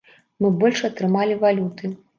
Мы больш атрымалі валюты.